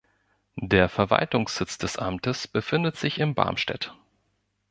Der Verwaltungssitz des Amtes befindet sich in Barmstedt.